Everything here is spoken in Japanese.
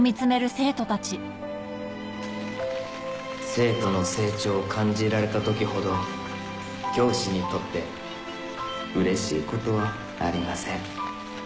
生徒の成長を感じられた時ほど教師にとってうれしいことはありません